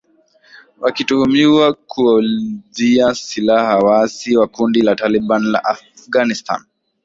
wakituhumiwa kuwauzia silaha waasi wa kundi la taliban la afghanistan